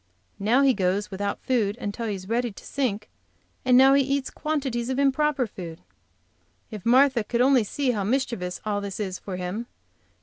Now he goes without food until he is ready to sink, and now he eats quantities of improper food. If Martha could only see how mischievous all this is for him.